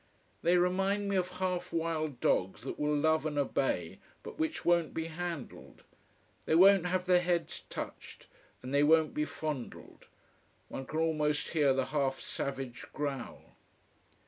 They remind me of half wild dogs that will love and obey, but which won't be handled. They won't have their heads touched. And they won't be fondled. One can almost hear the half savage growl.